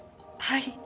はい。